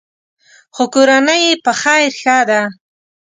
خو کورنۍ یې په خیر ښه ده.